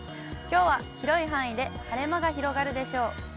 きょうは広い範囲で晴れ間が広がるでしょう。